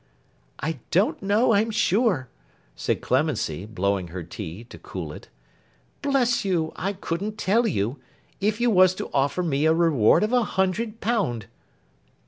'I don't know, I'm sure,' said Clemency, blowing her tea, to cool it. 'Bless you, I couldn't tell you, if you was to offer me a reward of a hundred pound.